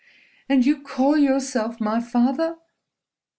"And you call yourself my father!"